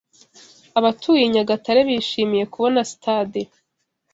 Abatuye i Nyagatare bishimiye kubona sitade